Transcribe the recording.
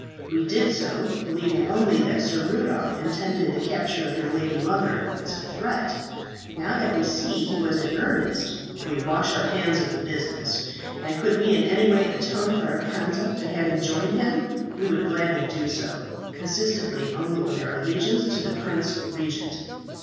We did so believing only that Sir Rudolph intended the capture of your lady mother as a threat. Now that we see he was in earnest, we wash our hands of the business; and could we in any way atone for our conduct in having joined him, we would gladly do so, consistently only with our allegiance to the Prince Regent."